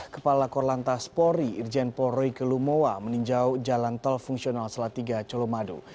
kepala kakor lantas polri irjen polroike lumowa meninjau jalan tol fungsional salatiga colomadu